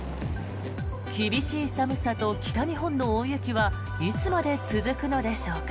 厳しい寒さと北日本の大雪はいつまで続くのでしょうか。